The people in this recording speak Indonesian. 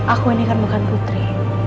aku ini kan bukan putri